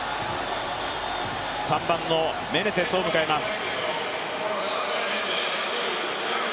３番のメネセスを迎えます。